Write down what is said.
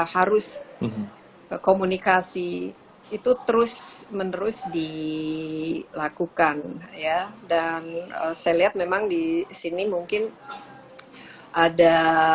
harus komunikasi itu terus menerus dilakukan ya dan saya lihat memang di sini mungkin ada